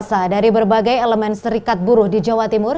pemirsa dari berbagai elemen serikat buruh di jawa timur